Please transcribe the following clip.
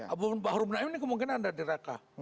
abu bakar ibn ayman ini kemungkinan ada di raqqa